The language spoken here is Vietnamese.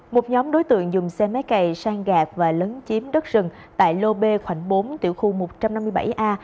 một nhóm đối tượng dùng xe máy cày sang gạt và lấn chiếm đất rừng tại lô b khoảng bốn tiểu khu một trăm năm mươi bảy a